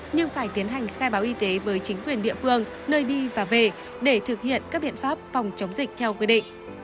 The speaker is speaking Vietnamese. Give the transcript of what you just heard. nhưng phải tiến hành khai báo y tế với chính quyền địa phương nơi đi và về để thực hiện các biện pháp phòng chống dịch theo quy định